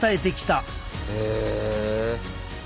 へえ。